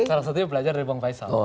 salah satunya belajar dari bang faisal